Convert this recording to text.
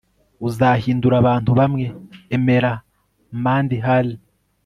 uzahindura abantu bamwe emera - mandy hale